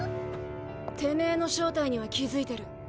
てめぇの正体には気付いてる。